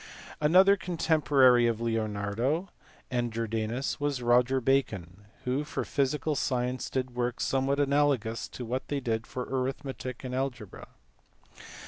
Another contemporary of Leonardo and Jordaiius was lloger Bacon, who for physical science did work somewhat analogous to what they did for arithmetic and algebra.